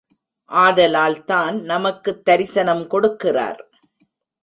ஆதலால் தான் நமக்குத் தரிசனம் கொடுக்கிறார்.